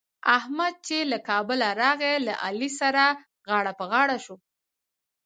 احمد چې له کابله راغی؛ له علي سره غاړه په غاړه شو.